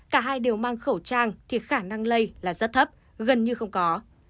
cả hai đều mang khẩu trang thì khả năng lây là rất thấp gần như không có